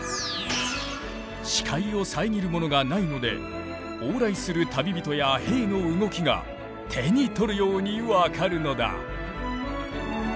視界を遮るものがないので往来する旅人や兵の動きが手に取るように分かるのだ。